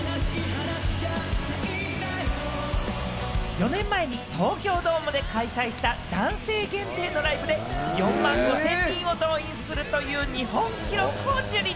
４年前に東京ドームで開催した男性限定のライブで４万５０００人を動員するという日本記録を樹立。